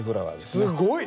すごい！